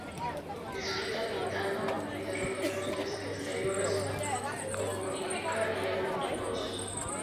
Disfruta pintando y de los deportes de exteriores como la hípica y el motocross.